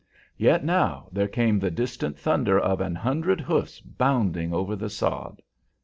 Yet now there came the distant thunder of an hundred hoofs bounding over the sod.